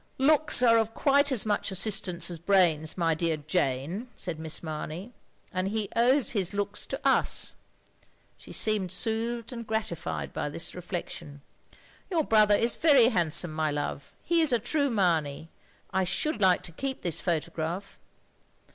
"Looks are of quite as much assistance as brains, my dear Jane," said Miss Mamey, "and he owes his looks to us;" she seemed soothed and gratified by this reflection. "Your brother is very handsome, my love. He is a true Mamey. I should like to keep this photograph."